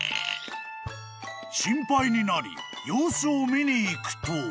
［心配になり様子を見に行くと］